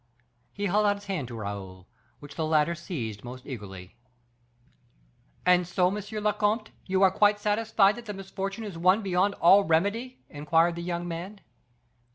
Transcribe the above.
He held out his hand to Raoul, which the latter seized most eagerly. "And so, monsieur le comte, you are quite satisfied that the misfortune is one beyond all remedy?" inquired the young man.